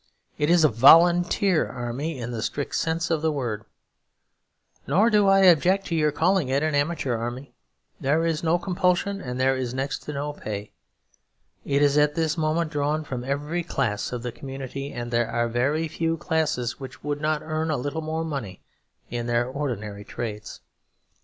It is a volunteer army in the strict sense of the word; nor do I object to your calling it an amateur army. There is no compulsion, and there is next to no pay. It is at this moment drawn from every class of the community, and there are very few classes which would not earn a little more money in their ordinary trades.